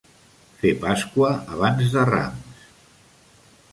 Fer Pasqua abans de Rams.